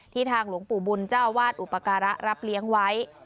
ทางหลวงปู่บุญเจ้าอาวาสอุปการะรับเลี้ยงไว้